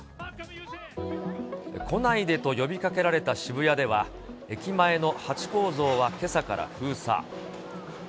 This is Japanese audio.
来ないでと呼びかけられた渋谷では、駅前のハチ公像はけさから封鎖。